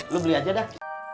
lo beli aja dah